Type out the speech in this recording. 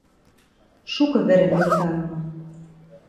Шукы вӹрӹм йоктарымы...